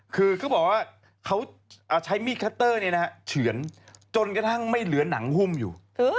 คือเขาบอกว่าเขาใช้มีดคัตเตอร์เฉือนจนกระทั่งไม่เหลือหนังหุ้มอยู่